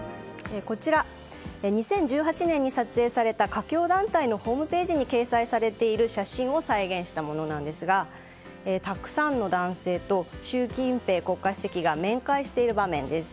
２０１８年に撮影された華僑団体のホームページに掲載されている写真を再現したものなんですがたくさんの男性と習近平国家主席が面会している場面です。